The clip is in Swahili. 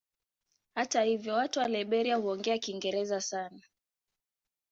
Hata hivyo watu wa Liberia huongea Kiingereza sana.